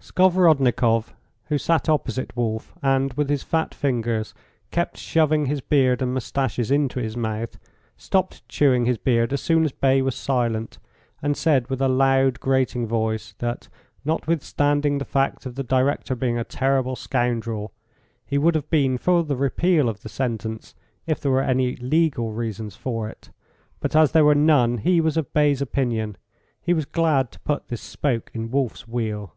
Skovorodnikoff, who sat opposite Wolf, and, with his fat fingers, kept shoving his beard and moustaches into his mouth, stopped chewing his beard as soon as Bay was silent, and said with a loud, grating voice, that, notwithstanding the fact of the director being a terrible scoundrel, he would have been for the repeal of the sentence if there were any legal reasons for it; but, as there were none, he was of Bay's opinion. He was glad to put this spoke in Wolf's wheel.